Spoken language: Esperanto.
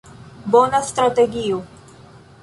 Bona strategio.